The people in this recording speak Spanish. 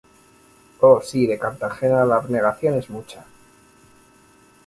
Oh, sí de Cartagena la abnegación es mucha